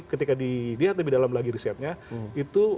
ketika di diatasi dalam lagi risetnya itu